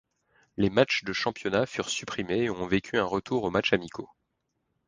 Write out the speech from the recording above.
Les matches de championnat furent supprimés et on vécu un retour aux matches amicaux.